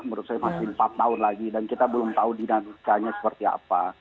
menurut saya masih empat tahun lagi dan kita belum tahu dinamikanya seperti apa